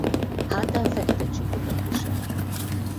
Hátán fekete csíkokat visel.